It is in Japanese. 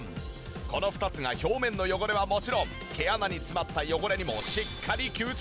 この２つが表面の汚れはもちろん毛穴に詰まった汚れにもしっかり吸着。